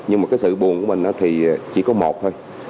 nhưng mà cái sự buồn của mình thì chỉ có một thôi